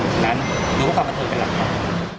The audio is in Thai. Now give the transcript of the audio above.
งั้นดูกับความเมตตาที่กันนะครับ